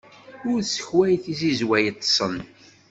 Ur ssakway tizizwa yiṭṭsen!